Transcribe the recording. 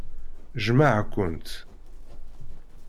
Jjmeɣ-kent.